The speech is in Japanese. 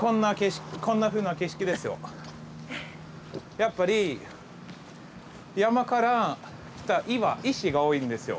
やっぱり山から来た岩石が多いんですよ。